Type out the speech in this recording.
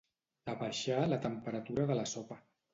Abaixà la temperatura de la sopa.